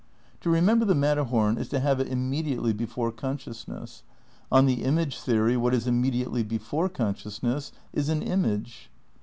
To remember the Matterhom is to have it immediately before consciousness. On the image theory what is immediately before conscious ness is an image.